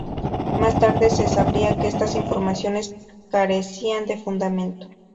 Más tarde se sabría que estas informaciones carecían de fundamento.